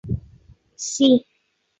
Es una Comisión Municipal.